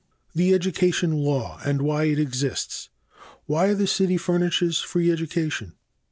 The educational law and why it exists. Why the city furnishes free education.